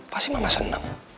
pasti mama senang